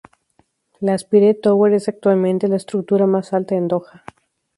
La Aspire Tower es actualmente la estructura más alta en Doha.